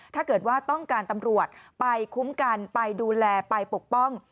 ถ้าเกิดว่าต้องการตำรวจไปคุ้มกันไปดูแลไปปกป้อง